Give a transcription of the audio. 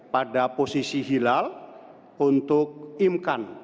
pada posisi hilal untuk imkan